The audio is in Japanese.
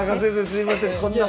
すいません。